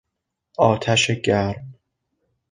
آتش گرم